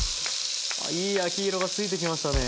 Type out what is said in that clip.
あいい焼き色がついてきましたね。